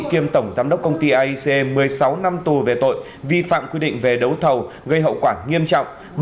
kiêm tổng giám đốc công ty aic một mươi sáu năm tù về tội vi phạm quy định về đấu thầu gây hậu quả nghiêm trọng